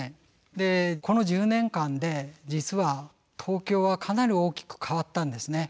でこの１０年間で実は東京はかなり大きく変わったんですね。